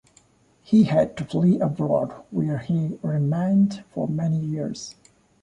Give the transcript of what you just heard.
He had to flee abroad where he remained for many years.